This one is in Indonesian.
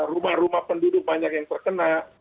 rumah rumah penduduk banyak yang terkena